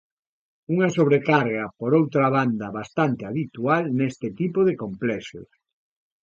Unha sobrecarga, por outra banda, bastante habitual neste tipo de complexos.